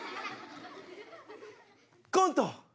コント